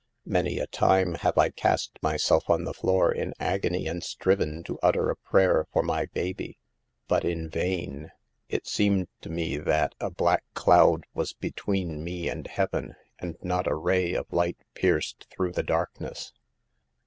Many a time have I cast myself on the floor in agony and striven to utter a prayer % for my baby, but in vain. It seemed to me that a black cloud was between me and Heaven, and not a ray of light pierced through the darkness.